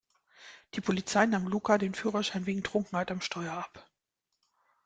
Die Polizei nahm Luca den Führerschein wegen Trunkenheit am Steuer ab.